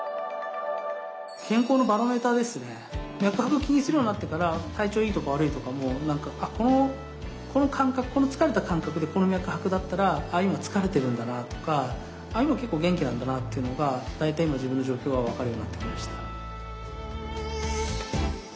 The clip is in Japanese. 脈拍を気にするようになってから体調いいとか悪いとかもこの感覚この疲れた感覚でこの脈拍だったら今疲れてるんだなとか今結構元気なんだなっていうのが大体今の自分の状況は分かるようになってきました。